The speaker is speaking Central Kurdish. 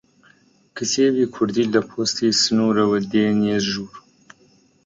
کتێبی کوردی لە پۆستی سنوورەوە دێنیە ژوور؟